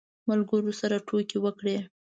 ملګرو سره ټوکې وکړې.